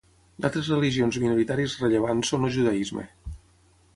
D'altres religions minoritàries rellevants són el judaisme.